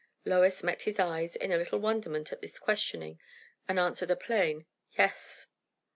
_" Lois met his eyes in a little wonderment at this questioning, and answered a plain "yes."